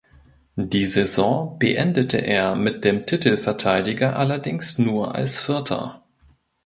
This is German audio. Die Saison beendete er mit dem Titelverteidiger allerdings nur als Vierter.